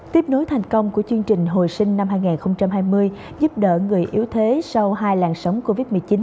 tiếp nối thành công của chương trình hồi sinh năm hai nghìn hai mươi giúp đỡ người yếu thế sau hai làn sóng covid một mươi chín